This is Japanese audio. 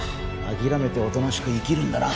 諦めておとなしく生きるんだな。